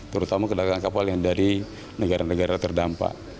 terutama kedatangan kapal yang dari negara negara terdampak